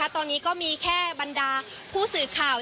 ตอนนี้ก็มีแค่บรรดาผู้สื่อข่าว